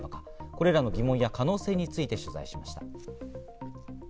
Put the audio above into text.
これらの疑問や可能性について取材しました。